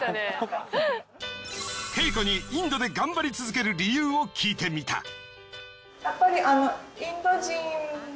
ＫＥＩＫＯにインドで頑張り続ける理由を聞いてみた。